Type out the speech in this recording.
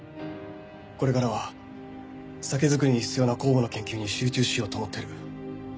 これからは酒造りに必要な酵母の研究に集中しようと思ってる。